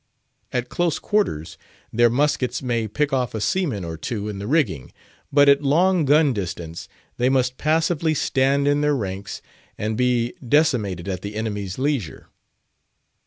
At close quarters, their muskets may pick off a seaman or two in the rigging, but at long gun distance they must passively stand in their ranks and be decimated at the enemy's leisure.